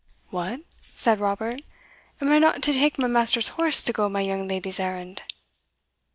"What!" said Robert, "am I not to take my master's horse to go my young leddy's errand?"